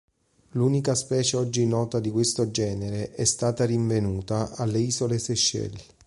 L'unica specie oggi nota di questo genere è stata rinvenuta alle isole Seychelles.